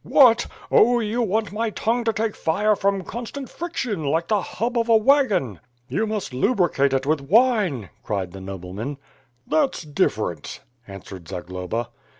"What? Oh, you want my tongue to take fire from constant friction, like the hub of a wagon." "You must lubricate it with wine," cried the noblemen. '^That's different," answered Zagloba.